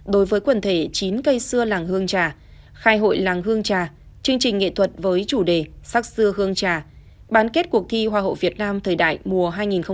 đối với quần thể chín cây xưa làng hương trà khai hội làng hương trà chương trình nghệ thuật với chủ đề sắc xưa hương trà bán kết cuộc thi hoa hậu việt nam thời đại mùa hai nghìn một mươi chín